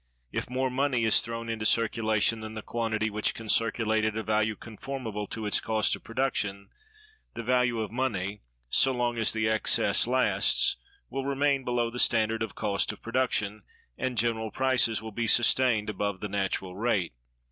If more money is thrown into circulation than the quantity which can circulate at a value conformable to its cost of production, the value of money, so long as the excess lasts, will remain below the standard of cost of production, and general prices will be sustained above the natural rate.